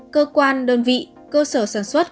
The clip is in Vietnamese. cơ quan đơn vị cơ sở sản xuất